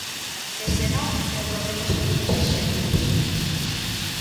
E, se non, recordemos algúns exemplos.